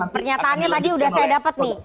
pernyataannya tadi udah saya dapat nih